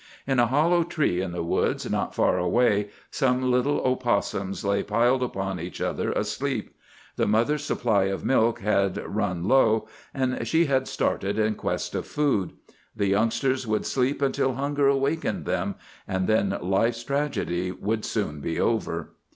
In a hollow tree in the woods, not far away, some little opossums lay piled upon each other, asleep. The mother's supply of milk had run low, and she had started in quest of food. The youngsters would sleep until hunger wakened them, and then life's tragedy would soon be over.